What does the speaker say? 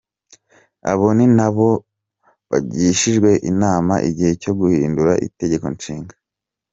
Abo ni n’abo bagishijwe inama, igihe cyo guhindura Itegekonshinga.